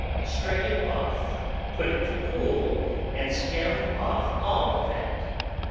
Strain it off, put it to cool, and skim off all the fat.